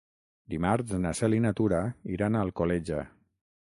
Dimarts na Cel i na Tura iran a Alcoleja.